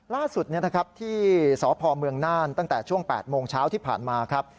ล่าสุดที่สพเมืองน่านตั้งแต่ช่วง๘โมงเช้าที่ผ่านมาครับ